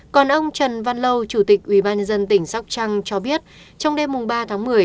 còn ông trần văn lâu chủ tịch ubnd tỉnh sóc trăng cho biết trong đêm ba tháng một mươi